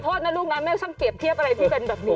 แม่ขอโทษนะลูกน้ำไม่ต้องเก็บเทียบอะไรที่เป็นแบบนี้